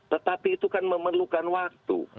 tetapi itu kan memerlukan waktu